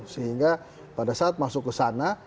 sehingga pada saat masuk ke sana